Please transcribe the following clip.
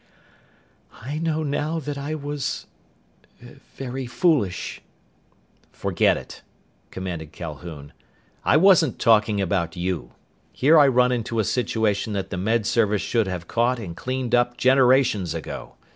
"I know now that I was ... very foolish." "Forget it," commanded Calhoun. "I wasn't talking about you. Here I run into a situation that the Med Service should have caught and cleaned up generations ago!